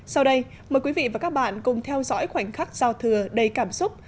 sau đây mời quý vị và các bạn cùng theo dõi khoảnh khắc giao thừa đầy cảm xúc